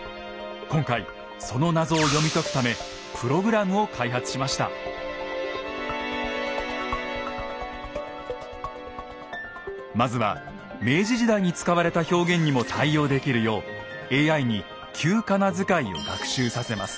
今回その謎を読み解くためまずは明治時代に使われた表現にも対応できるようＡＩに旧仮名遣いを学習させます。